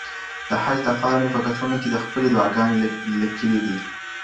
د حج دپاره مي په کڅوڼي کي خپلي دعاګاني لیکلي دي.